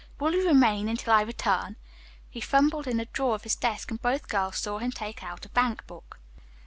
Will you remain until I return?" He fumbled in a drawer of his desk, and both girls saw him take out a bankbook.